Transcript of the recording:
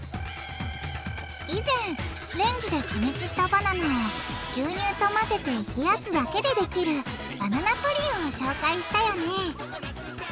以前レンジで加熱したバナナを牛乳とまぜて冷やすだけでできるバナナプリンを紹介したよね。